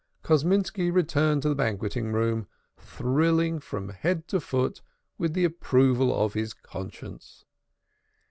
Kosminski returned to the banqueting room, thrilling from head to foot with the approval of his conscience.